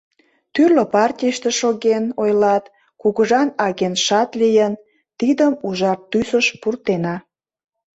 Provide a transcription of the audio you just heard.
Тӱрлӧ партийыште шоген, ойлат, кугыжан агентшат лийын — тидым ужар тӱсыш пуртена.